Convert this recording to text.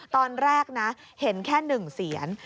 ตอนแรกนะเห็นแค่๑เสียน